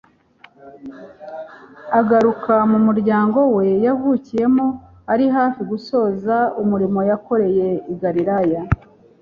Agaruka mu muryango we yavukiyemo ari hafi gusoza umurimo yakoreye i Galilaya.